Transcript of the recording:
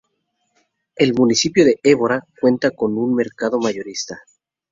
El municipio de Évora cuenta con un mercado mayorista.